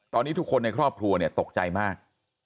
ตอนนี้ทุกคนในครอบครัวเนี่ยตกใจมาก